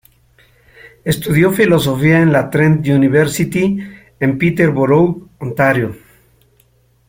Estudió Filosofía en la Trent University, en Peterborough, Ontario.